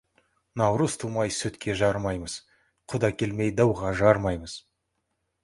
Наурыз тумай сүтке жарымаймыз, құда келмей дауға жарымаймыз.